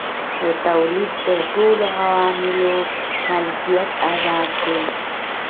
د تولید د ټولو عواملو ملکیت ازاد دی.